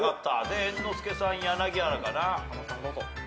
で猿之助さん柳原かな。